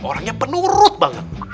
orangnya penurut banget